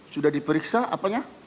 sudah diperiksa apanya